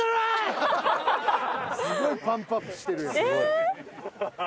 すごいパンプアップしてるよ。